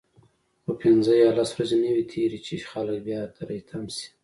خو پنځه یا لس ورځې نه وي تیرې چې خلک بیا تری تم شي.